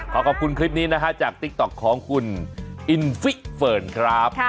ขอขอบคุณคลิปนี้นะฮะจากติ๊กต๊อกของคุณอินฟิกเฟิร์นครับ